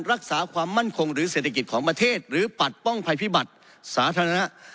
รักษาความมั่นคงหรือเศรษฐกิจของประเทศหรือปัดป้องภัยพิบัติสาธารณะ